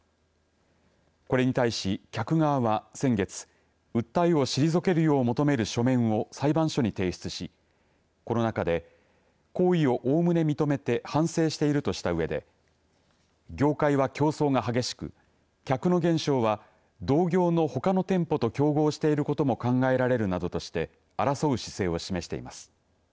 これに対し客側は先月訴えを退けるよう求める書面を裁判所に提出しコロナ禍で行為をおおむね認めて反省しているとしたうえで業界は競争が激しく客の減少は同業のほかの店舗と競合していることも考えられるなどとして争う姿勢を示しています。